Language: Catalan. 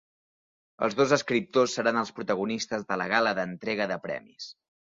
Els dos escriptors seran els protagonistes de la gala d'entrega de premis